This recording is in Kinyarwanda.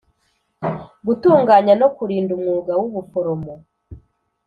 gutunganya no kurinda umwuga w ubuforomo